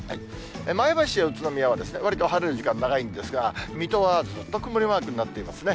前橋や宇都宮は、わりと晴れる時間、長いんですが、水戸はずっと曇りマークになっていますね。